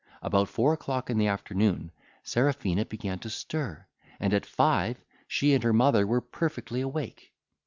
About four o'clock in the afternoon, Serafina began to stir, and, at five, she and her mother were perfectly awake.